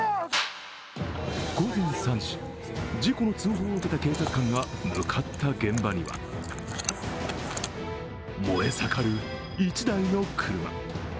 午前３時、事故の通報を受けた警察官が向かった現場には燃え盛る１台の車。